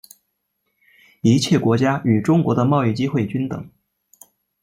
一切国家与中国的贸易机会均等。